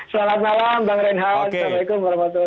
selamat malam bang reinhard assalamualaikum warahmatullahi wabarakatuh